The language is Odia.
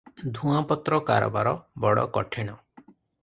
ଧୂଆଁପତ୍ର କାରବାର ବଡ କଠିଣ ।